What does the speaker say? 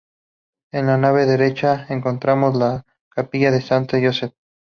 En la nave derecha encontramos la capilla de Sant Josep.